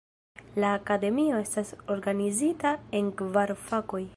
La akademio estas organizita en kvar fakoj.